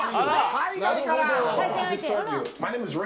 海外から。